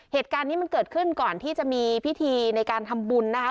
เหตุการณ์นี้มันเกิดขึ้นก่อนที่จะมีพิธีในการทำบุญนะคะ